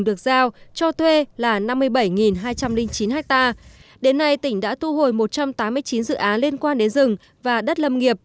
được giao cho thuê là năm mươi bảy hai trăm linh chín ha đến nay tỉnh đã thu hồi một trăm tám mươi chín dự án liên quan đến rừng và đất lâm nghiệp